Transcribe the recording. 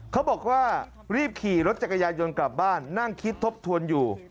เขาบอกว่ารีบขี่รถจักรยายนต์กลับบ้านนั่งคิดทบทวนอยู่